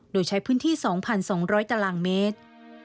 โดยใช้พื้นที่๒๒๐๐ตารางเมตร